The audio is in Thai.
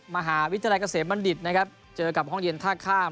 มหาวิทยาลัยเกษมบัณฑิตนะครับเจอกับห้องเย็นท่าข้าม